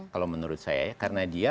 kalau menurut saya ya karena dia